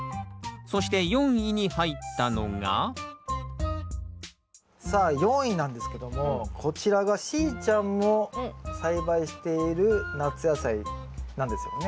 そして４位に入ったのがさあ４位なんですけどもこちらがしーちゃんも栽培している夏野菜なんですよね。